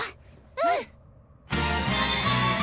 うん！